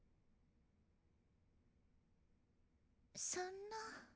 そんな。